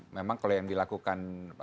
memang kalau yang dilakukan